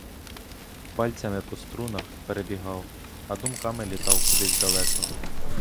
Пальцями по струнах перебігав, а думками літав кудись далеко.